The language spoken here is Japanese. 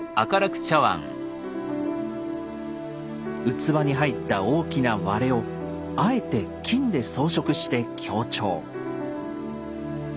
器に入った大きな割れをあえて金で装飾して強調。